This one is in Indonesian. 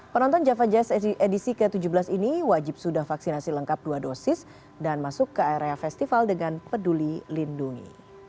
penonton java jazz edisi ke tujuh belas ini wajib sudah vaksinasi lengkap dua dosis dan masuk ke area festival dengan peduli lindungi